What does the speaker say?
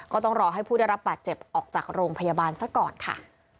ก็ต้องรอให้ผู้ได้รับบาดเจ็บออกจากโรงพยาบาลซะก่อนค่ะ